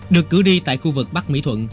được cử đi tại khu vực bắc mỹ thuận